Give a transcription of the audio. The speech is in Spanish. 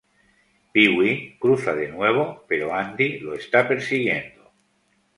Pee-wee cruza de nuevo, pero Andy lo está persiguiendo.